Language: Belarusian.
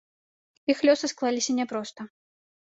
Іх лёсы склаліся няпроста.